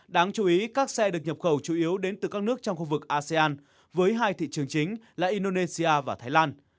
đáng chú ý các xe được nhập khẩu chủ yếu đến từ các nước trong khu vực asean với hai thị trường chính là indonesia và thái lan